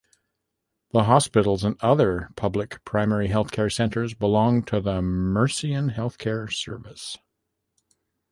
The hospitals and other public primary healthcare centers belong to the Murcian Healthcare Service.